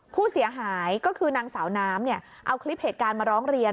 ผู้เสียหายก็คือนางสาวน้ำเอาคลิปเหตุการณ์มาร้องเรียน